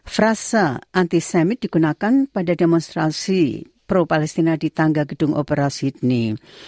frasa antisemmit digunakan pada demonstrasi pro palestina di tangga gedung opera sydney